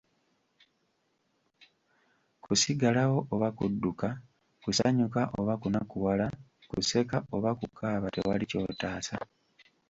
Kusigalawo oba kudduka, kusanyuka oba kunakuwala, kuseka oba kukaaba, tewali ky'otaasa.